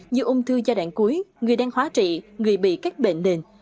như ung thư gia đạn cuối người đang hóa trị người bị các bệnh nền